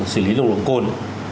sử lý đồng động côn